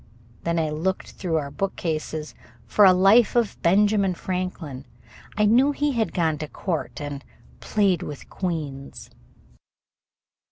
Then I looked through our bookcases for a life of Benjamin Franklin. I knew he had gone to court and "played with queens."